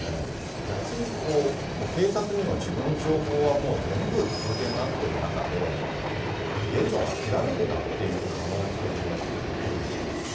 逆にこう、警察にも自分の情報はもう、全部筒抜けになっている中で、逃げるのを諦めてたっていう可能性もあるのかなと。